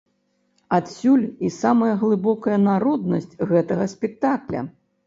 Адсюль і самая глыбокая народнасць гэтага спектакля.